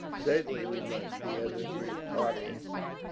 "Certainly we must," the other agreed heartily.